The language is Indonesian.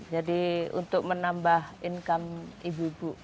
jadi untuk menambah income ibu ibu